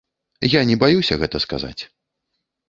Я не баюся гэта сказаць.